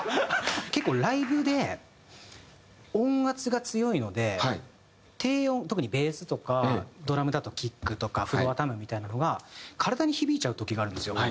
結構ライブで音圧が強いので低音特にベースとかドラムだとキックとかフロアタムみたいなのが体に響いちゃう時があるんですよ。